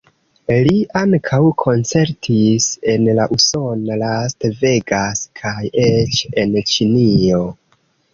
Li ankaŭ koncertis en la usona Las Vegas kaj eĉ en Ĉinio.